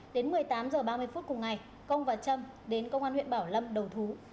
đến một mươi tám h ba mươi phút cùng ngày công và trâm đến công an huyện bảo lâm đầu thú